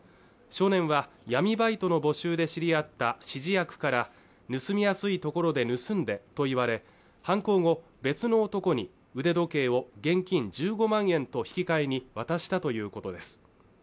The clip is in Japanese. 少年は闇バイトの募集で知り合った指示役から盗みやすいところで盗んでと言われ犯行後別の男に腕時計を現金１５万円と引き換えに渡したということです